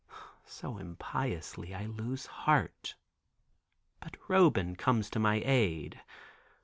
so impiously, I lose heart. But Roban comes to my aid.